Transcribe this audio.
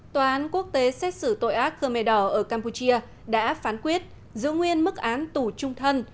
tòa án quốc tế xét xử tội ác khơ me đỏ ở campuchia đã phán quyết giữ nguyên mức án tù trung thân